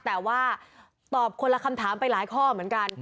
แต่ว่าตอบคนละคำถามไปหลายข้อเหมือนกัน